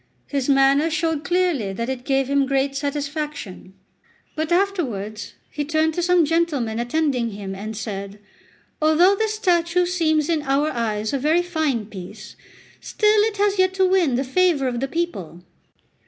His manner showed clearly that it gave him great satisfaction; but afterwards he turned to some gentlemen attending him and said: "Although this statue seems in our eyes a very fine piece, still it has yet to win the favour of the people.